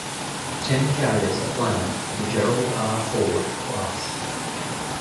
Ten carriers are planned for the "Gerald R. Ford" class.